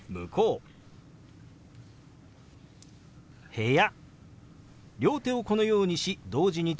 「部屋」。